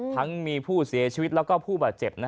ทั้งมีผู้เสียชีวิตแล้วก็ผู้บาดเจ็บ